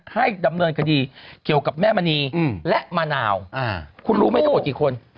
ให้ดำเนินคดีเกี่ยวกับแม่มณีและมะนาวคุณรู้ไหมทั้งหมดกี่คน